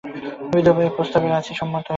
বিধবা এ প্রস্তাবে সহজেই সম্মত হইলেন।